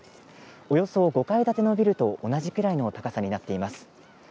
およそ５階建てのビルと同じくらいの高さになっています。